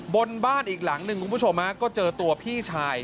บนบ้านอีกหลังหนึ่งคุณผู้ชมฮะก็เจอตัวพี่ชาย